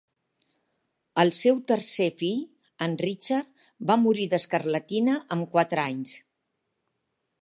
El seu tercer fill, en Richard, va morir d'escarlatina amb quatre anys.